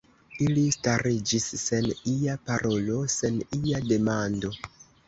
Ili stariĝis sen ia parolo, sen ia demando.